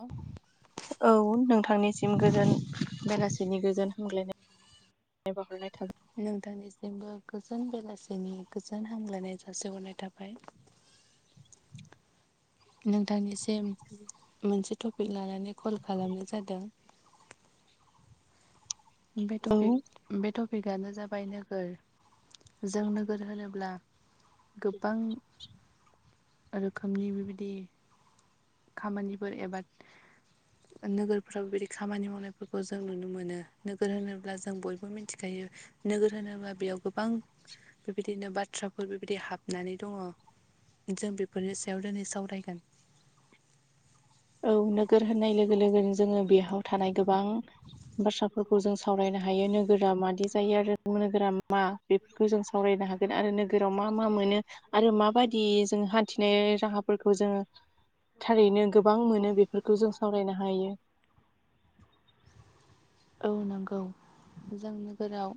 औ औ नोंथांनिसिम गोजोन बेलासिनि गोजोन हमग्लायनाय ए बावहरनाय थाबाय नोंथांनिसिमबो गोजोन बेलासिनि गोजोन हामलायनाय जासिहरनाय थाबाय। नोंथांनिसिम मोनसे टपिक लानानै कल खालामनाय जादों। बे औ टपिक बे टपिकआनो जाबाय नोगोर जों नोगोर होनोब्ला गोबां रोखोमनि बेबायदि खामानिफोर एबा नोगोरफ्राव बेबायदि खामानि मावनायफोरखौ जों नुनो मोनो। नोगोर होनोब्ला जों बयबो मिनथिखायो नोगोर होनोब्ला बेयाव गोबां बेबायदिनो बाथ्राफोर बेबायदि हाबनानै दङ। जों बेफोरनि सायाव दिनै सावरायगोन। औ नोगोर होननाय लोगो लोगोनो जोङो बेयाव थानाय गोबां बाथ्राफोरखौ जों सावरायनो हायो नोगोरा मादि जायो आरो नोगोरा मा बेफोरखौ जों सावरायनो हागोन आरो नोगोराव मा मा मोनो आरो माबायदि जों हान्थिनाय राहाफोरखौ जोङो थारैनो गोबां मोनो बेफोरखौ जों सावरायनो हायो। औ नंगौ जों नोगोराव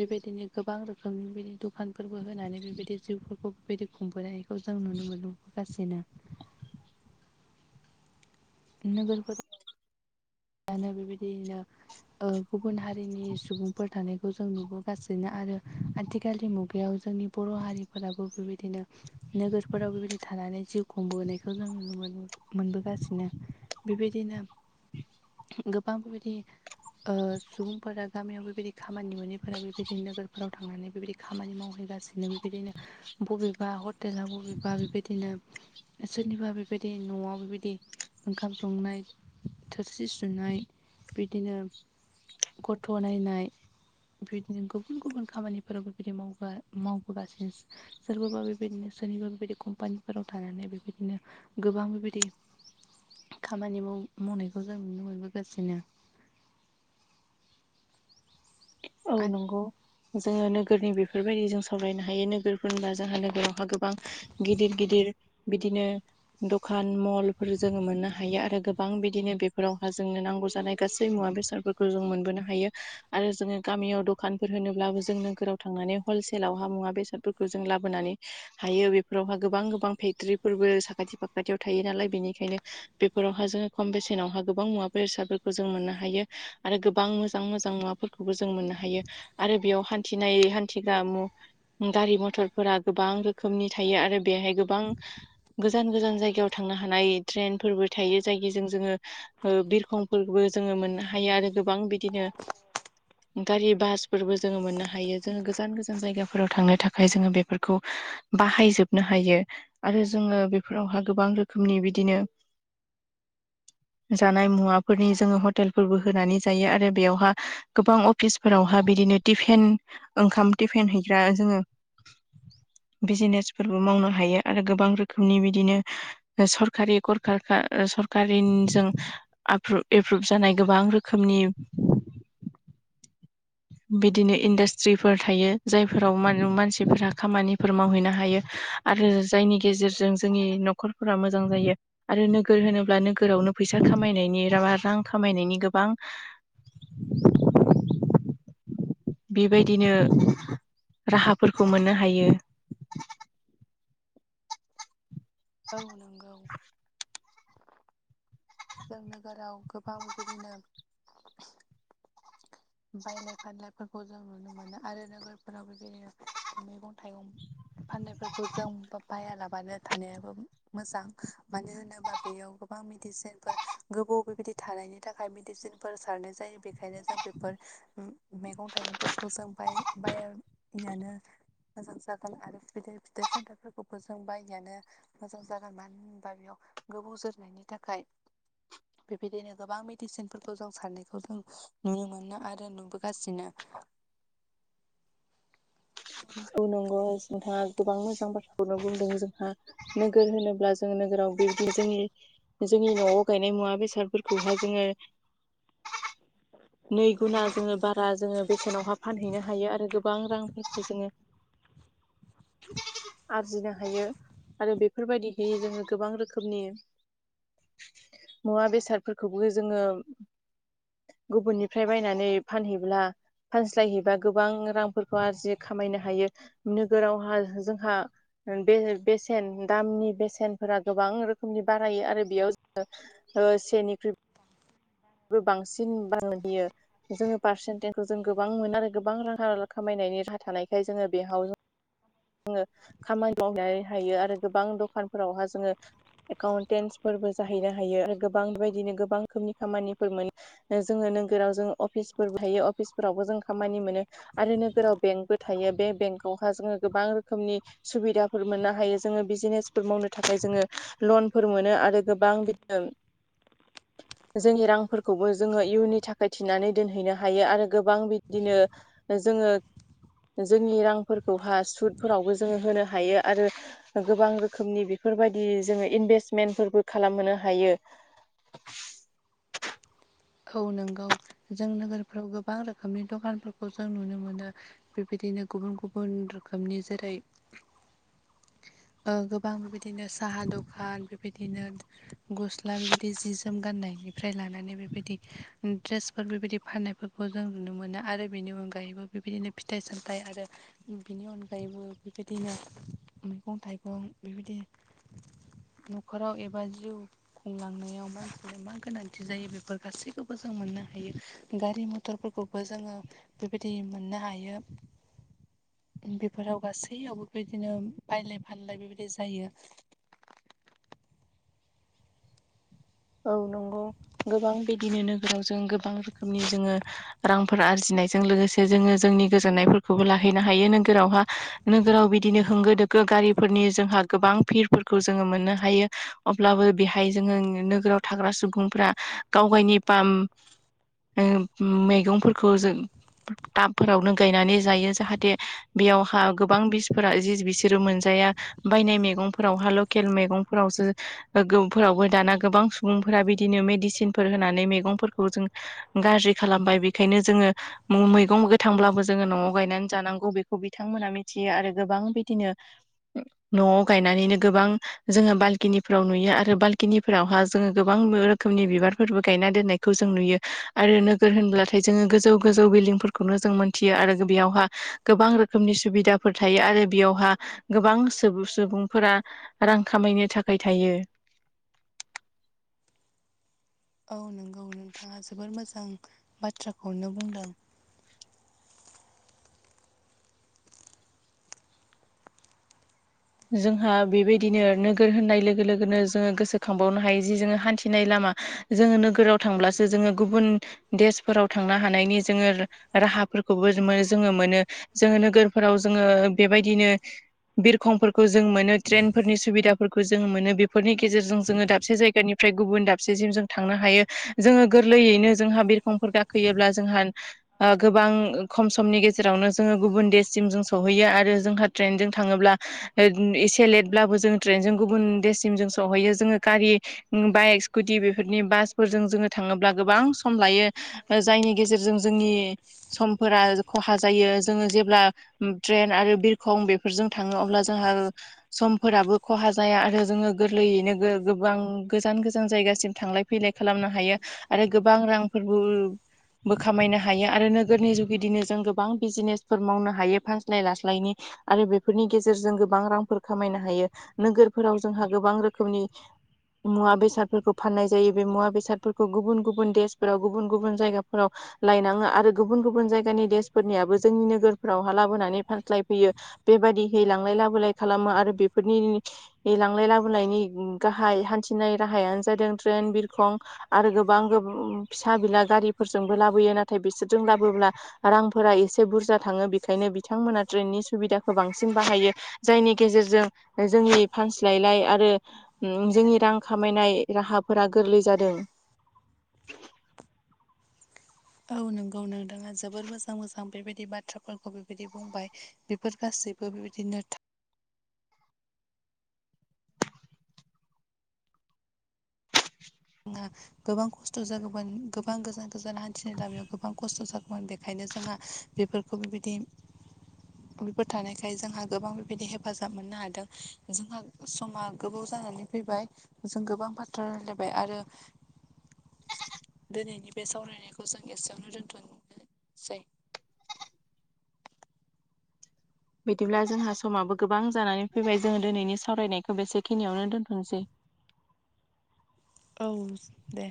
बेबायदिनो गोबां रोखोमनि बिदि दखानफोरबो होनानै बेबायदि जिउफोरखौ बेबायदि खुंबोनायखौ जों नुनो मोनो। गासिनो नोगोर फोरा दानो बेबायदियैनो ओ गुबुन हारिनि सुबुंफोर थानायखौ जों नुबो गासिनो आरो आथिखालनि मुगायाव जोंनि बर' हारिफोराबो बेबायदिनो नोगोरफोराव बेबायदि थानानै जिउ खुंबोनायखौ जों मोन मोनबोगासिनो। बेबायदिनो गोबां बेबायदि ओ सुबुंफोरा गामियाव बेबायदि खामानि मोनैफोरा बेबायदिनो नोगोरफोराव थांनानै बेबायदि खामानि मावहैगासिनो बेबायदिनो बबेबा हटेलाव बबेबा बेबायदिनो सोरनिबा बेबायदि न'आव बेबायदि ओंखाम संनाय सि सुनाय बिदिनो गथ' नायनाय बेबायदिनो गुबुन -गुबुन खामानिफोराव बेबायदि मावगा मावबोगासिनो सोरबाबा बेबायदिनो सोरनिबा बेबायदि कम्पानिफोराव थानानै बेबायदिनो गोबां बेबायदि खामानि माव मावनायखौ जों नुनो मोनबोगासिनो। औ नंगौ जोङो नोगोरनि बेफोरबायदि जों सावरायनो हायो नोगोरफोर होनबा जोंहा नोगोरावहा गोबां गिदिर गिदिर बिदिनो दखान मलफोर जोङो मोननो हायो आरो गोबां बिदिनो बेफोरावहा जोंनो नांगौ जानाय गासै मुवा बेसाद फोरखौ जों मोनबोनो हायो आरो जोङो गामियाव दखानफोर होनोब्लाबो जों नोगोराव थांनानै हलसेलाव हा मुवा बेसादफोरखौ जों लाबोनानै हायो बेफोरावहा गोबां -गोबां फेक्टरिफोरबो साखाथि फाखाथियाव थायो नालाय बेनिखायनो बेफोरावहा जोङो खम बेसेनावहा गोबां मुवा बेसादफोरखौ जों मोननो हायो। आरो गोबां मोजां मोजां मुवाफोरखौबो जों मोननो हायो आरो बेयाव हान्थिनाय हान्थिग्रा मु गारि मथरफोरा गोबां रोखोमनि थायो आरो बेहाय गोबां गोजान गोजान जायगायाव थांनो हानाय ट्रेनफोरबो थायो जायगिजों जोङो ओ बिरखंफोरबो जोङो मोननो हायो आरो गोबां बिदिनो गारि बासफोरबो जोङो मोननो हायो जोङो गोजान गोजान जायगाफोराव थांनो थाखाय जोङो बेफोरखौ बाहायजोबनो हायो आरो जोङो बेफोरावहा गोबां रोखोमनि बिदिनो ज जानाय मुवाफोरनि जोङो हटेलफोरबो होनानै जायो आरो बेयावहा गोबां अफिसफोरावहा बिदिनो टिफेन ओंखाम टिफेन हैग्रा जोङो बिजिनेसफोरबो मावनो हायो आरो गोबां रोखोमनि बिदिनो सरखारि गर सरकारिनिजों आप्रु-एप्रुभ जानाय गोबां रोखोमनि बिदिनो इन्डास्ट्रिफोर थायो जायफोराव मा-मानसिफोरा खामानिफोर मावहैनो हायो। आरो जायनि गेजेरजों जोंनि न'खरफोरा मोजां जायो आरो नोगोर होनोब्ला नोगोरावनो फैसा खामायनायनि रा रां खामायनायनि गोबां बेबायदिनो राहाफोरखौ मोननो हायो। औ नांगौ जों नोगोराव गोबां बिदिनो बायनाय फानलायफोरखौ जों नुनो मोनो आरो नोगोरफोराव बेबायदिनो मैगं थाइगं फाननायफोरखौ जों बायालाबानो थानायाबो मोजां मानो होनोबा बेयाव गोबां मेदिसिन गोबाव बेबायदि थानायनि थाखाय मेडिसिनफोर सारनाय जायो बेखायनो जों बेफोर मैगं थाइगंफोरखौ जों बाय-बायानो मोजां जागोन आरो [unintelligible] फिथाइ सामथाइफोरखौबो जों बायनायानो मोजां जागोन मानो होनबा बेयाव गोबौ जोरनायनि थाखाय बेबायदिनो गोबां मेडिसिनफोरखौ जों सारनायखौ जों नुनो मोनो आरो नुबोगासिनो। औ नंगौ नोंथाङा गोबां मोजां बाथ्राखौनो बुंदों जोंहा नोगोर होनोब्ला जों नोगोराव बेबदि जोंनि जोंनि न'आव गायनाय मुवा बेसादफोरखौहाय जोङो नै गुना जोङो बा रा जोङो बेसेनावहा फानहैनो हायो आरो गोबां रांफोरखौ जोङो आरजिनो हायो आरो बेफोरबायदिहै जोङो गोबां रोखोमनि मुवा बेसादफोरखौबो जोङो गुबुननिफ्राय बायनानै फानहैब्ला फानस्लायहैबा गोबां रांफोरखौ आरजि खामायनो हायो नोगोरावहा जोंहा बे बेसेन दामनि बेसेनफोरा गोबां रोखोमनि बारायो आरो बेयाव जोङो ओ सेनिख्रुइ बांसिन [inaudible] बियो जोङो पारसेन्टेजखौ जों गोबां मोनो आरो गोबां [unintelligible] खामायनायनि राहा थानायखाय जोङो बेहाव जोङो खामानि मावनो हायो आरो गोबां दखानफोरावहा जोङो एकाउन्टेन्सफोरबो जाहैनो हायो आरो गोबां बेबायदिनो गोबां रोखोमनि खामानिफोरमोन नो जोङो नोगोराव जो अफिसफोरबो थायो अफिसफोरावबो जों खामानि मोनो आरो नोगोराव बेंकबो थायो बे बेंकआवहा जोङो गोबां रोखोमनि सुबिदाफोर मोननो हायो जोङो बिजिनेसफोर मावनो थाखाय जोङो लनफोर मोनो आरो गोबां बिदिनो जोंनि रांफोरखौबो जोङो इयुननि थाखाय थिन्नानै दोनहैनो हायो आरो गोबां बिदिनो जोङो जोंनि रांफोरखौहा सुदफोरावबो जोङो होनो हायो आरो गोबां रोखोमनि बेफोरबायदि जोङो इनभेस्मेन्टफोरबो खालामनो हायो। औ नोंगौ जों नोगोरफ्राव गोबां रोखोमनि दखानफोरखौ जों नुनो मोनो बेबायदिनो गुबुन गुबुन रोखोमनि जेरै ओं गोबां बेबायदिनो साहा दखान बेबायदिनो गस्ला बेबायदि जि जोम गान्नायनिफ्राय लानानै बे बिदि उम द्रेसफोर बेबायदि फाननायफोरखौ जों नुनो मोनो आरो बेनि अनगायैबो बेबायदिनो फिथाइ सामथाइ आरो बेनि अनगायैबो बेबायदिनो मैगं थाइगं बेबायदि न'खराव एबा जिउ खुंलांनायाव मानसिया मा गोनांथि जायो बेफोर गासैखौबो जों मोननो हायो गारि मथरफोरखौबो जोङो बेबायदि मोननो हायो। उम बेफोराव गासैयावबो बिदिनो बायलाय फानलाय बेबायदि जायो। औ नंगौ गोबां बिदिनो नोगोराव जों गोबां रोखोमनि जोङो रांफोर आरजिनायजों लोगोसे जोङो जोंनि गोजोननायफोरखौबो लाहैनो हायो नोगोरावहा नोगोराव बिदिनो होंगो दोगो गारिफोरनि जोंहा गोबां भिरफोरखौ जोङो मोननो हायो। अब्लाबो बेहाय जोङो नोगोराव थाग्रा सुबुंफ्रा गावगायनि पाम ओ मैगंफोरखौ जों टाबफोरावनो गायनानै जायो जाहाथे बेयावहा गोबां बिसफोरा जि बिसोरो मोनजाया बायनाय मैगंफोरावहाल' खेल मैगंफोरावसो गोफोरावबो दाना गोबां सुबुंफोरा बिदिनो मेडिसिनफोर होनानै मैगंफोरखौ जों गाज्रि खालामबाय बेखायनो जोङो मुं मैगं गोथांब्लाबो जोङो न'आव गायनानै जानांगौ बेखौ बिथांमोना मिथियो आरो गोबां बिदिनो न'आव गायनानैनो गोबां जोङो बालकिनिफोराव नुयो आरो बाल्किनिफोरावहा जोङो गोबां रोखोमनि बिबारफोरबो गायना दोननायखौ जों नुयो आरो नोगोर होनब्ला थाय जोङो गोजौ गोजौ बिल्डिंफोरखौनो जों मोनथियो आरो बेयावहा गोबां रोखोमनि सुबिदा फोर थायो आरो बेयावहा गोबां सुबु - सुबुंफोरा रां खामायनो थाखाय थायो। औ नंगौ नोंथाङा जोबोर मोजां बाथ्राखौनो बुंदों। जोंहा बेबायदिनो नोगोर होननाय लोगो लोगोनो जोङो गोसोखांबावनो हायो जि जोङो हान्थिनाय लामा जोङो नोगोराव थांब्लासो जोङो गुबुन देसफोराव थांनो हानायनि जोङो राहाफोरखौबो जोङो मोनो। जोङो नोगोरफोराव जोङो बेबायदिनो बिरखंफोर खो जों मोनो ट्रेनफोरनि सुबिदाफोरखौ जों मोनो बेफोरनि गेजेरजों जोङो दाबसे जायगानिफ्राय गुबुन दाबसेसिम जों थांनो हायो जोङो गोरलैयैनो जोंहा बिरखंफोर गाखोयोब्ला जोंहा ओ गोबां खम समनि गेजेरावनो जोङो गुबुन देशसिम जों सहैयो आरो जोंहा ट्रेनजों थाङोब्ला [unintelligible] एसे लेटब्लाबो जों ट्रेनजों गुबुन देशसिम जों सौहैयो जोङो गारि उम बाइक स्कुटि बेफोरनि बासफोरजों जोङो थाङोब्ला गोबां सम लायो। ओ जायनि गेजेरजों जोंनि समफोरा खहा जायो जोङो जेब्ला ट्रेन आरो बिरखं बेफोरजों थाङो अब्ला जोंहा समफोराबो खहा जाया आरो जोङो गोरलैयैनो गो - गोबां गोजान गोजान जायगासिम थांलाय फैलाय खालामनो हायो आरो गोबां रांफोरबो बो खामायनो हायो आरो नोगोरनि जुगेदिनो जों गोबां बिजिनेसफोर मावनो हायो फानस्लाय लास्लायनि आरो बेफोरनि गेजेरजों गोबां रांफोर खामायनो हायो नोगोरफोराव जोंहा गोबां रोखोमनि मुवा बेसादफोरखौ फाननाय जायो बे मुवा बेसादफोरखौ गुबुन गुबुन देशफोराव गुबुन गुबुन जायगाफोराव लायनाङा आरो गुबुन गुबुन जायगानि देशफोरनियाबो जोंनि नोगोरफोरावहा लाबोनानै फानस्लायफैयो। बेबायदिहै लांलाय लाबोलाय खालामो आरो बेफोरनि बे लांलाय लाबोनायनि गाहाय हान्थिनाय राहायानो जादों ट्रेन, बिरखं आरो गोबां गो फिसा बिला गारिफोरजोंबो लाबोयो नाथाय बिसोरजों लाबोब्ला रांफोरा एसे बुरजा थाङो बेखायनो बिथांमोना ट्रेननि सुबिदाखौ बां सिन बाहायो जायनि गेजेरजों जोंनि फानस्लायलाय आरो उम जोंनि रां खामायनाय राहाफोरा गोरलै जादों। औ नंगौ नोंथाङा जोबोर मोजां मोजां बेबायदि बाथ्राफोरखौ बेबायदि बुंबाय बेफोर गासै बो बेबायदिनो था थाङा गोबां खस्थ' जागौमोन गोबां गोजान गोजान हान्थिनाय लामायाव गोबां खस्थ' जागोन मोन बेखायनो जोंहा बेफोरखौ बेबायदि बेफोर थानायखाय जोंहा गोबां बेबायदि हेफाजाब मोननो हादों जोंहा समा गोबाव जानानै फैबाय जों गोबां बाथ्रा रायलायबाय आरो दोनैनि बे सावरायनायखौ जों एसेयावनो दोनथ'नोसै बिदिब्ला जोंहा समाबो गोबां जानानै फैबाय जोङो दिनैनि सावरायनायखौ बेसेखिनियावनो दोनथ'नोसै। औ दे